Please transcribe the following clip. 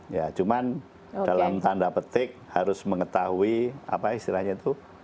ya cuman dalam tanda petik harus mengetahui apa istilahnya itu